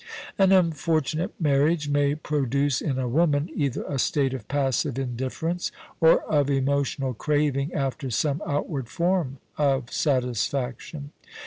An unfortunate marriage may produce in a woman either a state of passive indifference or of emotional craving after some outward form of satisfaction.